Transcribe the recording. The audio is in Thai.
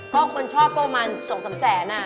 ก็คนชอบประมาณ๒๓แสนอะ